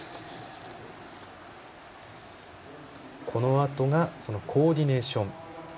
このあとがコーディネーション。